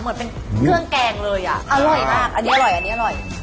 เหมือนเป็นเครื่องแกงเลยอ่ะอร่อยมากอันนี้อร่อยอันนี้อร่อย